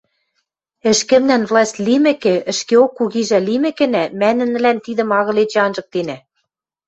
Ӹшкӹмнӓн власть лимӹкӹ, ӹшкеок кугижӓ лимӹкӹнӓ, мӓ нӹнӹлӓн тидӹм агыл эче анжыктенӓ!